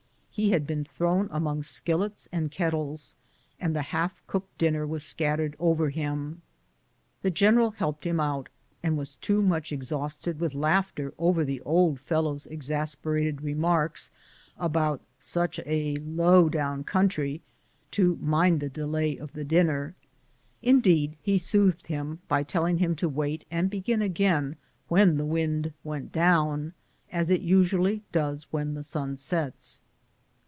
He had been thrown among skillets and kettles, and the half cooked dinner was scattered over him. The general helped him out, and was too much exhausted with Laighter over the old fellow's exasper ated remarks about "such a low down country," to mind the delay of the dinner. Indeed, he soothed him by telling him to wait and begin again when the wind went down, as it usually does when the sun sets.